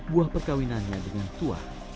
buah perkawinannya dengan tuah